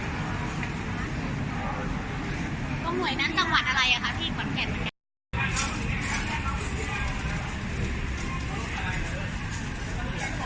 ก็หน่วยด้านจังหวัยอะไรอ่ะคะที่คนแข็ดมันก็